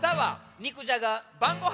肉じゃが。